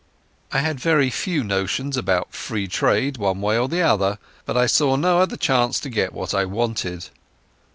I had very few notions about Free Trade one way or the other, but I saw no other chance to get what I wanted.